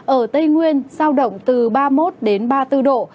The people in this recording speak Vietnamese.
ở tây nguyên giao động từ ba mươi hai ba mươi năm độ